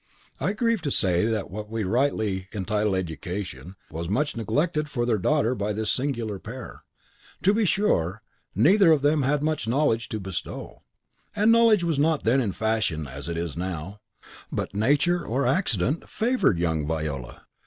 I grieve to say that what we rightly entitle education was much neglected for their daughter by this singular pair. To be sure, neither of them had much knowledge to bestow; and knowledge was not then the fashion, as it is now. But accident or nature favoured young Viola.